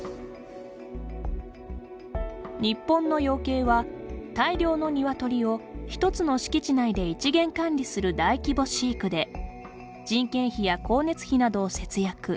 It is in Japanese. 日本の養鶏は、大量のニワトリを１つの敷地内で一元管理する大規模飼育で人件費や光熱費などを節約。